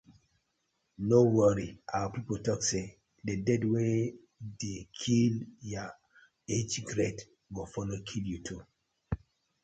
No worry, our pipu tok say di death wey di kill yah age grade go follow kill yu too.